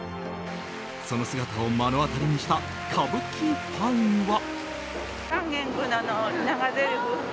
その姿を目の当たりにした歌舞伎ファンは。